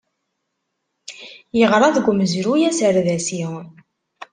Yeɣra deg umezruy aserdasi